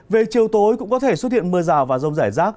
về chiều tối cũng có thể xuất hiện mưa rào và rông rải rác